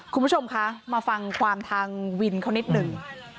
คุณผู้ชมคะมาฟังความทางวินเขานิดหนึ่ง